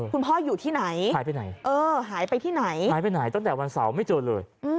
คุณพ่ออยู่ที่ไหนหายไปไหนตั้งแต่วันเสาร์ไม่เจอเลย